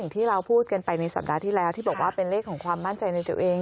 ที่เราพูดกันไปในสัปดาห์ที่แล้วที่บอกว่าเป็นเลขของความมั่นใจในตัวเอง